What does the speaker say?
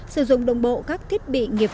sử dụng đồng bộ các thiết bị nghiệp